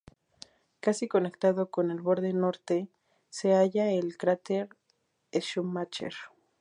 Casi conectado con el borde norte se halla el cráter Schumacher.